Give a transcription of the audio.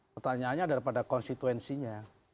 pertanyaannya adalah pada konstituensinya